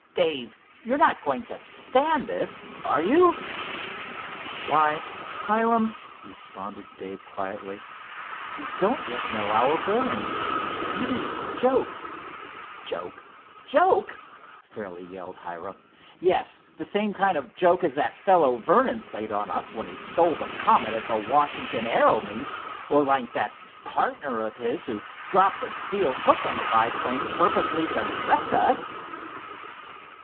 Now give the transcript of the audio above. "Dave, you're not going to stand this; are you?" "Why, Hiram," responded Dave quietly, "we don't yet know our bearings. Maybe it's a joke——" "Joke! Joke!" fairly yelled Hiram. "Yes, the same kind of a joke as that fellow Vernon played on us when he stole the Comet at the Washington aero meet. Or like that partner of his, who dropped a steel hook on the biplane purposely to wreck us."